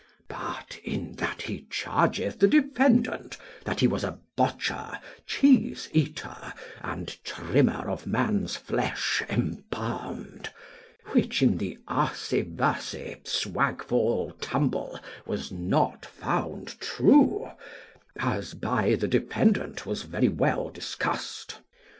But in that he chargeth the defendant that he was a botcher, cheese eater, and trimmer of man's flesh embalmed, which in the arsiversy swagfall tumble was not found true, as by the defendant was very well discussed.